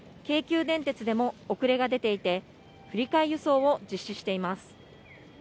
京急電鉄でも遅れが出ていて、振り替え輸送を実施しています。